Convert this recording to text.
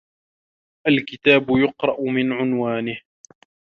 الكتاب يقرأ من عنوانه